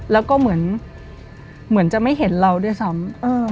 แล้วก็เหมือนจะไม่เห็นเราด้วยซ้ำ